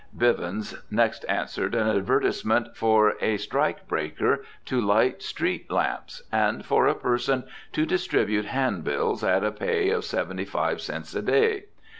Bivens next answered an advertisement for a strike breaker to light street lamps, and for a person to distribute handbills at a pay of seventy five cents a day.